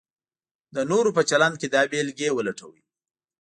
د نورو په چلند کې دا بېلګې ولټوئ: